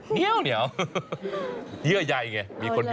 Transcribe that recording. ใยยังเหนียวอยู่ไหม